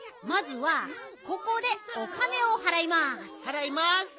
まずはここでお金をはらいます。